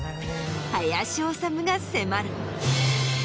林修が迫る。